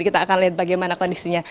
kita akan lihat bagaimana kondisinya